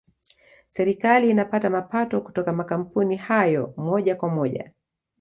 serikali inapata mapato kutoka makampuni hayo moja kwa moja